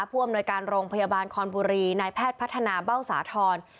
ผู้อำนวยการโรงพยาบาลคอนบุรีนายแพทย์พัฒนาเบ้าสาธรณ์